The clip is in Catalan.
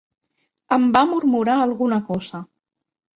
Em va murmurar alguna cosa.